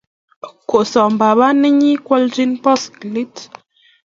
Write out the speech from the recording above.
Kosom papa nenyi kwalji poskilit.